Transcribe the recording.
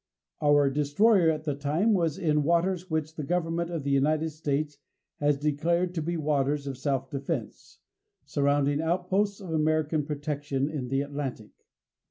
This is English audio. Our destroyer, at the time, was in waters which the government of the United States had declared to be waters of self defense surrounding outposts of American protection in the Atlantic.